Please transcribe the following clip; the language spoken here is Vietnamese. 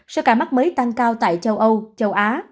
số ca mắc mới tăng cao tại châu âu châu á